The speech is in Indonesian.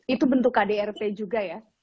itu bentuk kdrp juga ya